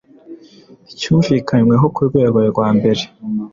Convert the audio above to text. cyumvikanyweho ku rwego rwa mbere